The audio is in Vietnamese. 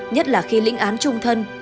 nhất là khi lĩnh án trung thân